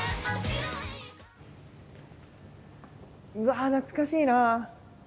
うわ懐かしいなあ。